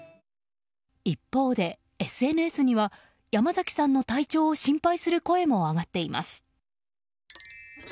一方でＳＮＳには山崎さんの体調を心配する声も上がっています。